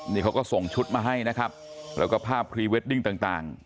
นี่เขาก็ส่งชุดมาให้นะครับแล้วก็ภาพพรีเวดดิ้งต่าง